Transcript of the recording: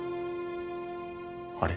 あれ？